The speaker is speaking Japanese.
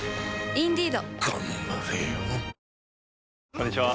こんにちは。